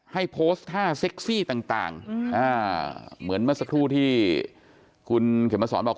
ให้โพสต์ท่าเซ็กซี่ต่างเหมือนเมื่อสักครู่ที่คุณเข็มมาสอนบอก